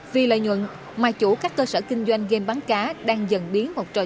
vì lợi nhuận mai chủ các cơ sở kinh doanh game bắn cá đang dần biến một trò chơi